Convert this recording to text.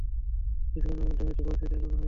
কিছুক্ষণের মধ্যেই হয়তো পরিস্থিতি এলামেলো হয়ে যাবে।